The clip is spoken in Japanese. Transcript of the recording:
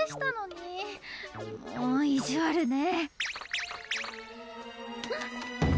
もう意地悪ね。